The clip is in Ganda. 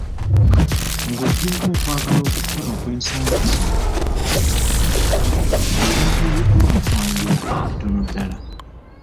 "Nga oggyeeko okwagala okufuna okw’ensangi zino, ebintu ebikulu mu kwanjula bitono ddala."